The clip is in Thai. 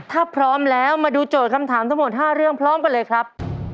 ถ้าพร้อมแล้วมาดูโจทย์คำถามทั้งหมด๕เรื่องพร้อมกันเลยครับ